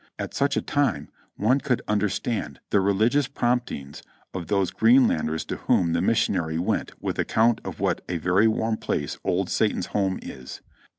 At such a time one could understand the re ligious promptings of those Greenlanders to whom the mission ary went with account of what a very warm place old Satan's home is.